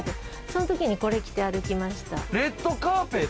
その時にこれ着て歩きました。